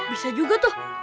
bisa juga tuh